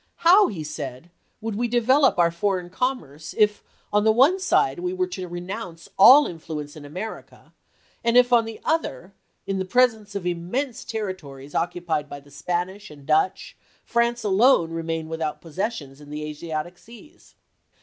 " How," he said, " could dia FOREIGN RELATIONS IN 1863 267 we develop our foreign commerce, if on the one side, we were to renounce all influence in America, and if on the other, in presence of immense terri tories occupied by the Spanish and Dutch, France alone remain without possessions in the Asiatic seas."